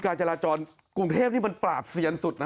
การจราจรกรุงเทพนี่มันปราบเซียนสุดนะ